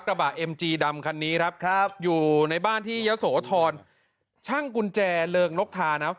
กระบะเอ็มจีดำคันนี้ครับครับอยู่ในบ้านที่ยะโสธรช่างกุญแจเริงนกทานะ